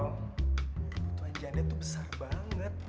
butuhan janda tuh besar banget